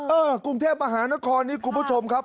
กรุงเทพมหานครนี่คุณผู้ชมครับ